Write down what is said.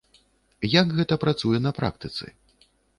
Як гэта працуе на практыцы?